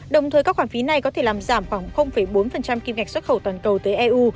đồng thời các khoản phí này có thể làm giảm khoảng bốn kim ngạch xuất khẩu toàn cầu tới eu